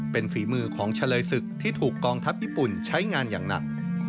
เป็นฝีมือของเฉลยศึกที่ถูกกองทัพญี่ปุ่นใช้งานอย่างหนัก